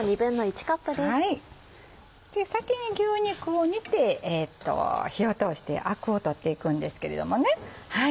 先に牛肉を煮て火を通してアクを取っていくんですけれどもね。